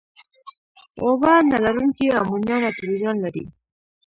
اوبه نه لرونکي امونیا نایتروجن لري.